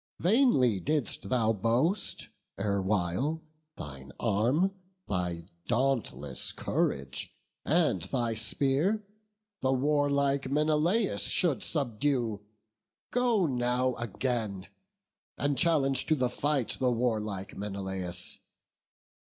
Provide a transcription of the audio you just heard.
vainly didst thou boast erewhile Thine arm, thy dauntless courage, and thy spear The warlike Menelaus should subdue! Go now again, and challenge to the fight The warlike Menelaus.